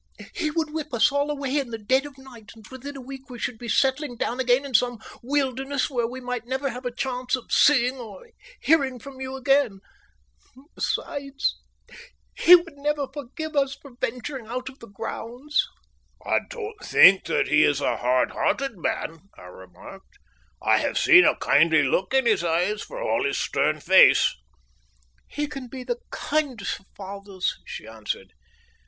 He would whip us all away in the dead of the night, and within a week we should be settling down again in some wilderness where we might never have a chance of seeing or hearing from you again. Besides, he never would forgive us for venturing out of the grounds." "I don't think that he is a hard hearted man," I remarked. "I have seen a kindly look in his eyes, for all his stern face." "He can be the kindest of fathers," she answered.